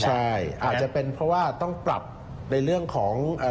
ใช่อาจจะเป็นเพราะว่าต้องปรับในเรื่องของ